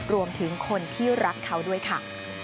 รวมถึงคนที่รักเขาด้วยค่ะ